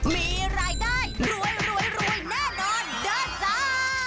มีรายได้รวยรวยรวยแน่นอนด้าจ้า